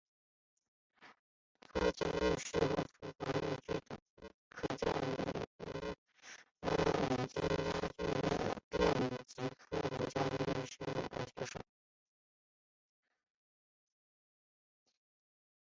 科勒的浴室和厨房用具可在美国的五金和家居用品店以及科勒厨房和浴室经销商购买。